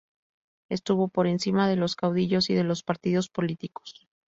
Estuvo por encima de los caudillos y de los partidos políticos.